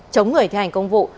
chống người thi hành công vụ